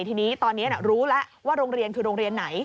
ทีนี้ตอนนี้รู้แล้วว่าโรงเรียนคือโรงเรียนไหน